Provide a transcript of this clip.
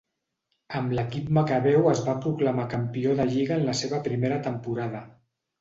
Amb l'equip macabeu es va proclamar campió de lliga en la seva primera temporada.